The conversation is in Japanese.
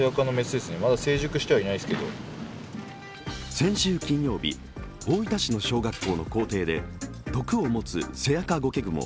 先週金曜日、大分市の小学校の校庭で毒を持つセアカゴケグモ